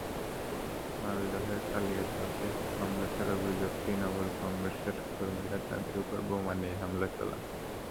মালদহের কালিয়াচকে কংগ্রেসের অভিযোগ, তৃণমূল কংগ্রেসের কর্মীরা তাঁদের ওপর বোমা নিয়ে হামলা চালান।